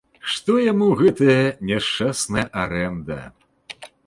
Што яму гэтая няшчасная арэнда.